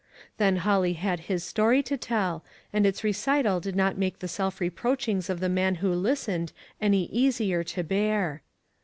Then Holly had his story to tell, and its recital did not make the self reproachings of the man who listened any easier to bear.